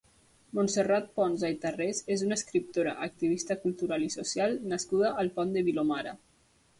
Montserrat Ponsa i Tarrés és una escriptora, activista cultural i social nascuda al Pont de Vilomara.